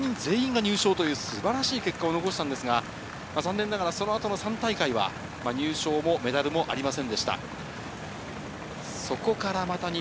３人全員が入賞という素晴らしい結果を残していますが、残念ながらその後の３大会は入賞もメダルもありませんでした。